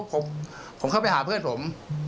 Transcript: ผมเข้าไปหาเพื่อนผม